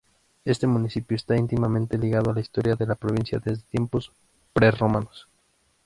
Este municipio está íntimamente ligado a la historia de la provincia desde tiempos prerromanos.